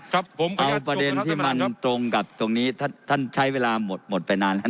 ครับผมเอาประเด็นที่มันตรงกับตรงนี้ท่านท่านใช้เวลาหมดหมดไปนานแล้ว